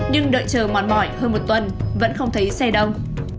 nhưng đợi chờ mòn mỏi hơn một tuần vẫn không thấy xe đông